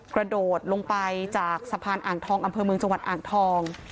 กระโดดลงไปจากสะพานอ่างทองอำเภอเมืองจังหวัดอ่างทอง